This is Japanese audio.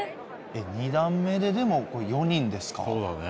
２段目ででも４人ですか。